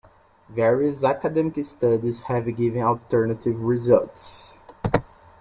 Various academic studies have given alternative results.